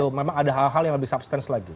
atau memang ada hal hal yang lebih substance lagi